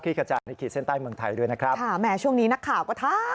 กระจายในขีดเส้นใต้เมืองไทยด้วยนะครับค่ะแหมช่วงนี้นักข่าวก็ถาม